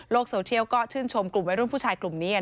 โซเทียลก็ชื่นชมกลุ่มวัยรุ่นผู้ชายกลุ่มนี้